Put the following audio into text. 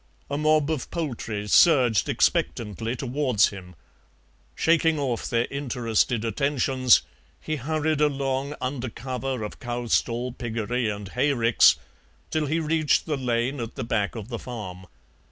A mob of poultry surged expectantly towards him; shaking off their interested attentions he hurried along under cover of cowstall, piggery, and hayricks till he reached the lane at the back of the farm.